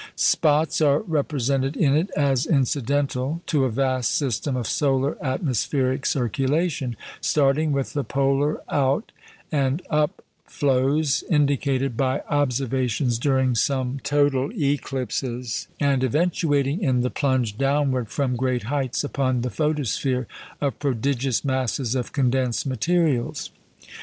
Spots are represented in it as incidental to a vast system of solar atmospheric circulation, starting with the polar out and up flows indicated by observations during some total eclipses, and eventuating in the plunge downward from great heights upon the photosphere of prodigious masses of condensed materials.